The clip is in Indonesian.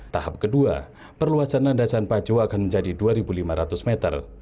tahap kedua perluasan landasan pajo akan menjadi dua lima ratus meter